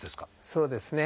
そうですね。